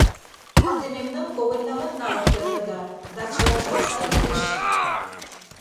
— Ынде мемнам когыньнамат налын кертыда, да чылажат сай лиеш.